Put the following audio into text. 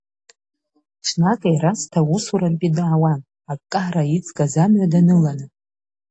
Ҽнак Ерасҭа усурантәи даауан, аккара иҵгаз амҩа даныланы.